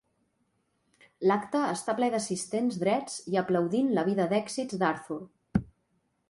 L'acte està ple d'assistents drets i aplaudint la vida d'èxits d'Arthur.